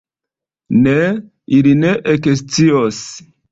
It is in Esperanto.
Ne, ili ne ekscios!